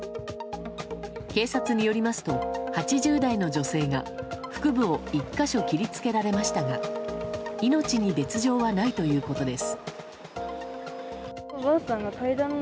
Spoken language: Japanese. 警察によりますと８０代の女性が腹部を１か所切り付けられましたが命に別条はないということです。